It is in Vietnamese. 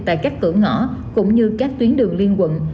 tại các cửa ngõ cũng như các tuyến đường liên quận